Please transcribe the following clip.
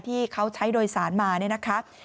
ที่เขาใช้โดยสารมาเนี่ยนะคะ